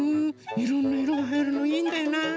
いろんないろがはいるのいいんだよな。